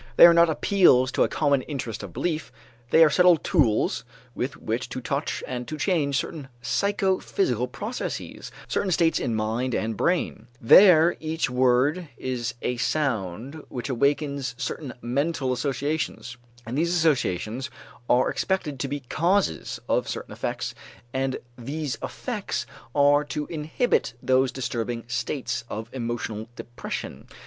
They are not appeals to a common interest of belief; they are subtle tools with which to touch and to change certain psychophysical processes, certain states in mind and brain; there each word is a sound which awakens certain mental associations, and these associations are expected to be causes of certain effects and these effects are to inhibit those disturbing states of emotional depression.